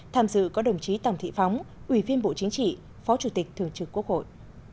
tham dự có đồng chí tòng thị phóng ủy viên bộ chính trị phó chủ tịch thường trực quốc hội